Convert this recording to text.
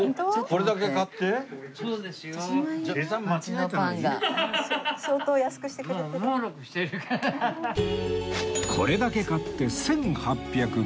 これだけ買って１８９０円